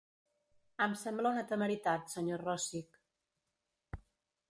Em sembla una temeritat, senyor Rossich.